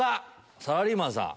サラリーマンさん。